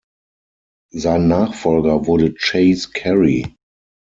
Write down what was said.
Sein Nachfolger wurde Chase Carey.